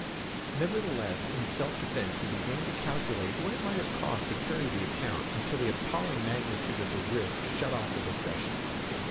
Nevertheless, in self defense he began to calculate what it might have cost to carry the account, until the appalling magnitude of the risk shut off the discussion.